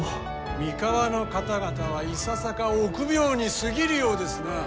三河の方々はいささか臆病に過ぎるようですなあ。